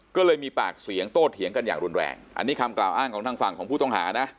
ก็เลยมีปากเสียงโต้เถียงกันอย่างรุนแรงอันนี้คำกล่าวอ้างของทางฝั่งของผู้ต้องหานะ